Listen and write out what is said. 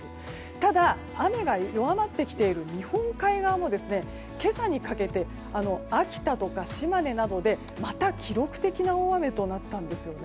ただ、雨が弱まってきている日本海側も今朝にかけて秋田とか島根などでまた記録的な大雨となったんですね。